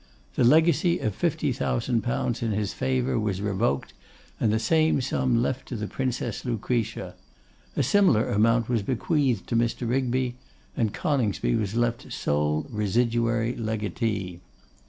The legacy of 50,000_l._ in his favour was revoked, and the same sum left to the Princess Lucretia. A similar amount was bequeathed to Mr. Rigby; and Coningsby was left sole residuary legatee.